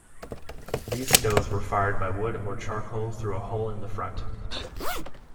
These stoves were fired by wood or charcoal through a hole in the front.